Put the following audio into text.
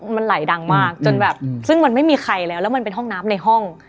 มันไหลดังมากจนแบบซึ่งมันไม่มีใครแล้วแล้วมันเป็นห้องน้ำในห้อง